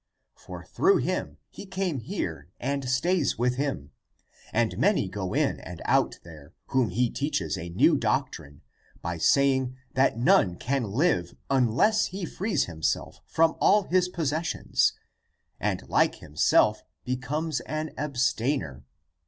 For through him he came here and stays with him. And many go in and out there whom he teaches a new doc trine by saying that none can live unless he frees himself from all his possessions and like himself becomes an abstainer.